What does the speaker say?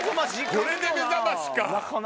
これで目覚ましか。